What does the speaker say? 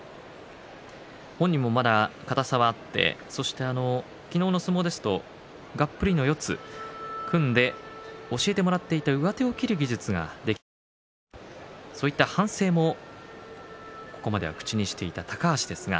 本人も硬さがあって昨日の相撲ですとがっぷりの四つを組んで教えてもらっていた上手を切る技術ができていなかったそういう反省もここまでを口にしている高橋です。